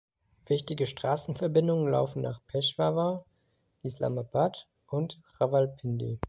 Wichtige Straßenverbindungen laufen nach Peschawar, Islamabad und Rawalpindi.